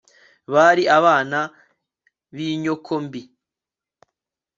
bari abana b'inyoko mbi